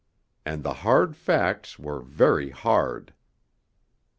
And the 'hard facts' were very hard....